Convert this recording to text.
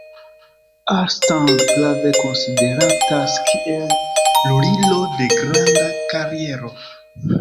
Arnstadt prave konsideratas kiel lulilo de granda kariero.